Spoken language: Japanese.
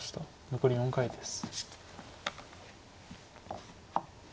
残り４回です。